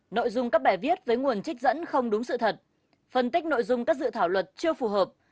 nội dung các bài viết với nguồn trích dẫn không đúng sự thật phân tích nội dung các dự thảo luật chưa phù hợp